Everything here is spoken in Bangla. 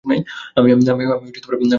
আমি আসলেই একটা নির্বোধ!